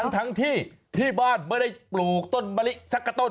ทั้งที่ที่บ้านไม่ได้ปลูกต้นมะลิสักกระต้น